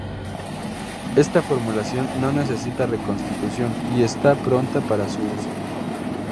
Esta formulación no necesita reconstitución y está pronta para su uso.